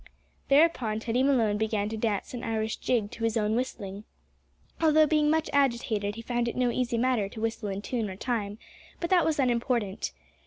Thereupon Teddy Malone began to dance an Irish jig to his own whistling, although, being much agitated, he found it no easy matter to whistle in tune or time, but that was unimportant.